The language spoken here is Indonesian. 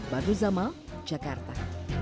baru zama jakarta